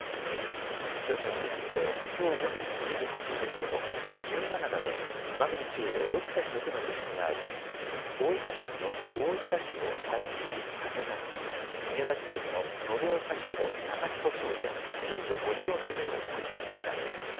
気象庁によりますときょう午前１時８分ごろ日向灘でマグニチュード６．６の地震があり大分県の大分市と佐伯市、竹田市、宮崎県の延岡市と高千穂町で震度５強の揺れを観測しました。